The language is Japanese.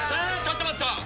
ちょっと待った！